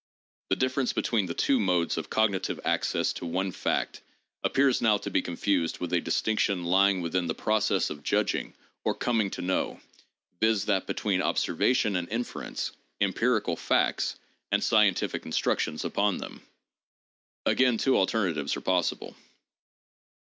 The difference between the two modes of cognitive access to one fact appears now to be confused with a distinction lying within the process of judging or coming to know, viz., that between "obser vation and inference," "empirical facts" and scientific constructions upon them. Again two alternatives are possible.